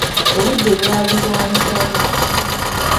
Obudde bwali bwa misana.